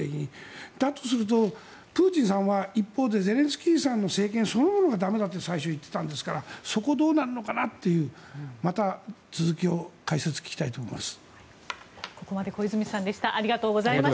だとすると、プーチンさんは一方でゼレンスキーさんの政権そのものが駄目だと最初、言っていたんですからそこ、どうなるのかなってまた続きを解説聞きたいと思います。